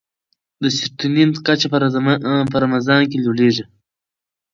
د سیرټونین کچه په رمضان کې لوړېږي.